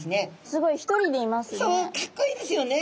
すごい一人でいますね。